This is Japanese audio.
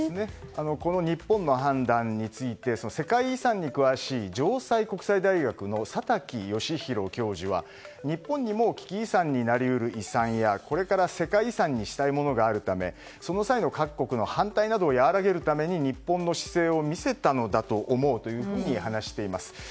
この日本の判断について世界遺産に詳しい城西国際大学の佐滝剛弘教授は日本にも危機遺産になり得る遺産やこれから世界遺産にしたいものがあるためその際の各国の批判などを和らげるために日本の反対の姿勢を見せたのだというふうに話しています。